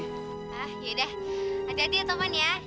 yaudah hati hati ya toman ya